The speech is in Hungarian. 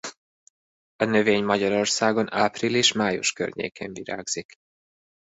A növény Magyarországon április-május környékén virágzik.